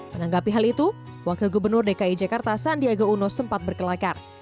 menanggapi hal itu wakil gubernur dki jakarta sandiaga uno sempat berkelakar